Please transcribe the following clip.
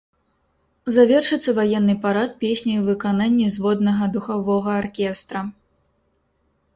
Завершыцца ваенны парад песняй у выкананні зводнага духавога аркестра.